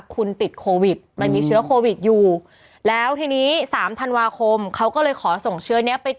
คุณติดโควิดมันมีเชื้อโควิดอยู่